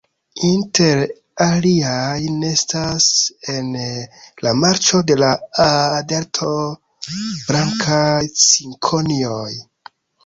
Inter aliaj nestas en la marĉo de la Aa-Delto blankaj cikonioj.